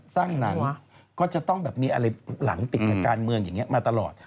หนังก็จะต้องแบบมีอะไรหลังติดกับการเมืองอย่างนี้มาตลอด